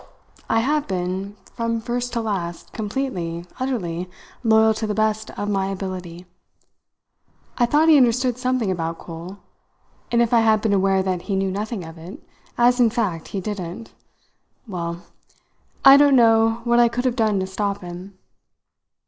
I have been, from first to last, completely, utterly loyal to the best of my ability. I thought he understood something about coal. And if I had been aware that he knew nothing of it, as in fact he didn't, well I don't know what I could have done to stop him.